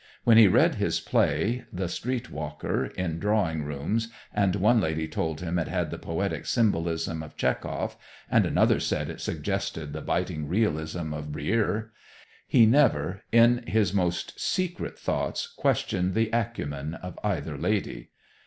When he read his play "The Street Walker" in drawing rooms and one lady told him it had the poetic symbolism of Tchekhov, and another said that it suggested the biting realism of Brieux, he never, in his most secret thoughts, questioned the acumen of either lady.